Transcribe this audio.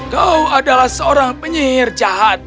kau adalah seorang penyihir jahat